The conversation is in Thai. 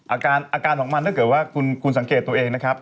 อาการอาการของมันถ้าเกิดว่าคุณสังเกตตัวเองนะครับ